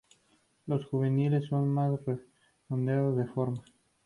Los juveniles son más redondeados de forma.